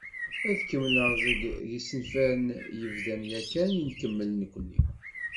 Ad d-kemmleɣ deg yisenfaren yebdan yakan i nekemmel nekkni.